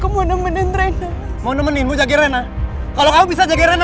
mau nemenin mau nemenin mau jaga kalau kamu bisa